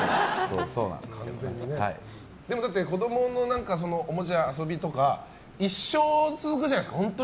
だって子供のおもちゃ、遊びとか一生続くじゃないですか。